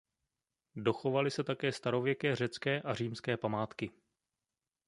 Dochovaly se také starověké řecké a římské památky.